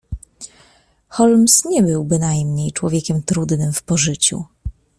"Holmes nie był bynajmniej człowiekiem trudnym w pożyciu."